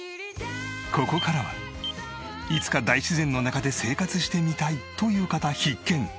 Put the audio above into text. ここからはいつか大自然の中で生活してみたいという方必見！